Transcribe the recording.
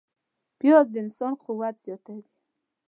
پیاز د انسان قوت زیاتوي